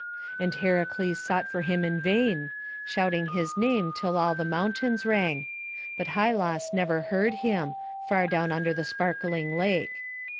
And Heracles sought for him in vain, shouting his name till all the mountains rang; but Hylas never heard him, far down under the sparkling lake.